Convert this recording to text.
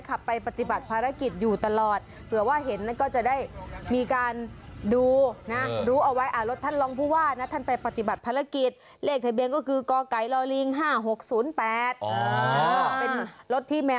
ขับเบียนอะไรมองไม่ชัด